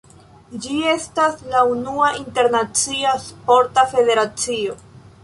Ĝi estas la unua internacia sporta federacio.